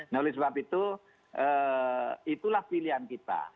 nah oleh sebab itu itulah pilihan kita